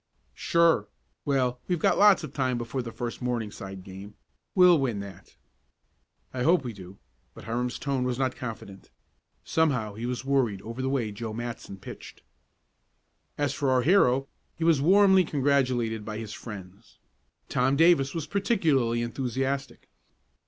"Sure. Well, we've got lots of time before the first Morningside game. We'll win that." "I hope we do," but Hiram's tone was not confident. Somehow he was worried over the way Joe Matson pitched. As for our hero, he was warmly congratulated by his friends. Tom Davis was particularly enthusiastic.